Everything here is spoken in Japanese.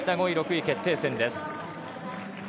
５位６位決定戦です。